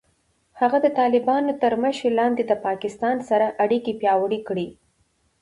هغه د طالبانو تر مشرۍ لاندې د پاکستان سره اړیکې پیاوړې کړې.